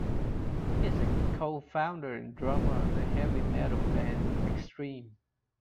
He is a co-founder and drummer of the heavy metal band, Extreme.